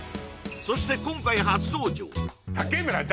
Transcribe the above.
そして今回初登場！